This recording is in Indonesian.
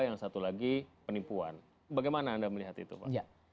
yang satu lagi penipuan bagaimana anda melihat itu pak